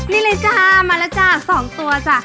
นี่เลยจ้ามาแล้วจ้ะ๒ตัวจ้ะ